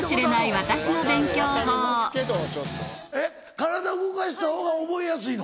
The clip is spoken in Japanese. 体動かしたほうが覚えやすいの？